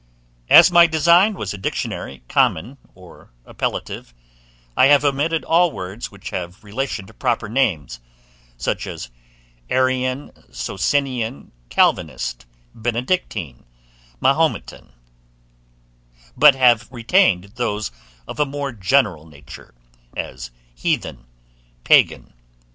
As my design was a dictionary, common or appellative, I have omitted all words which have relation to proper names; such as Arian, Socinian, Calvinist, Benedictine, Mahometan; but have retained those of a more general nature, as Heathen, Pagan.